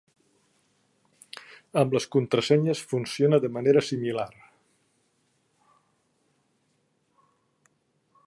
Amb les contrasenyes funciona de manera similar.